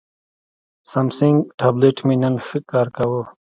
سامسنګ ټابلیټ مې نن ښه کار کاوه.